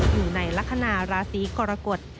อยู่ในลักษณะราศีกรกฎ